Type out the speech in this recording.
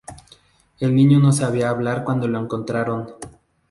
El niño no sabía hablar cuando lo encontraron.